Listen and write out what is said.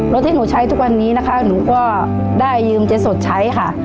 ที่หนูใช้ทุกวันนี้นะคะหนูก็ได้ยืมเจ๊สดใช้ค่ะ